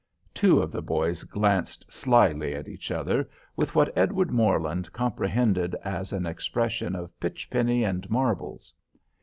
Two of the boys glanced slyly at each other, with what Edward Morland comprehended as an expression of pitch penny and marbles.